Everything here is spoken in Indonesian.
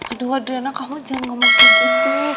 aduh adriana kamu jangan ngomong kayak gitu